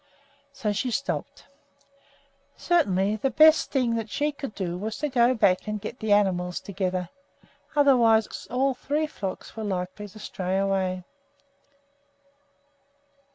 So she stopped. Certainly the best thing that she could do was to go back and get the animals together; otherwise all three flocks were likely to stray away.